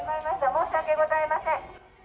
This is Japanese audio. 申し訳ございません。